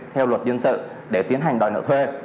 theo luật dân sự để tiến hành đòi nợ thuê